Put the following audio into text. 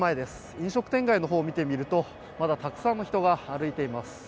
飲食店街の方を見てみるとまだたくさんの人が歩いています。